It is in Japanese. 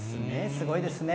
すごいですね。